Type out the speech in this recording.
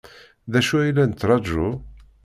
D acu ay la nettṛaju?